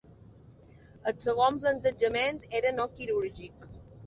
El segon plantejament era no quirúrgic.